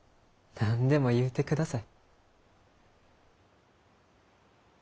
何でも言うて下さい。